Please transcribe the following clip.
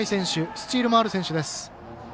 スチールもある選手です。